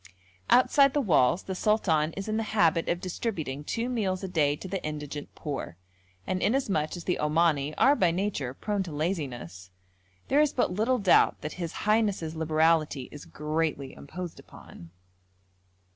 Outside the walls the sultan is in the habit of distributing two meals a day to the indigent poor; and inasmuch as the Omani are by nature prone to laziness, there is but little doubt that his highness's liberality is greatly imposed on.